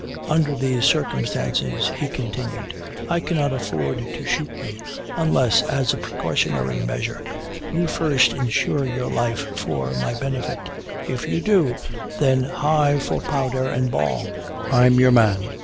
'Under these circumstances,' he continued, 'I cannot afford to shoot you, unless, as a precautionary measure, you first insure your life for my benefit. If you do, then heigh for powder and ball! I'm your man.'